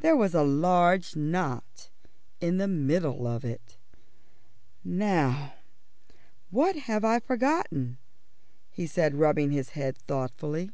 There was a large knot in the middle of it. "Now, what have I forgotten?" he said, rubbing his head thoughtfully.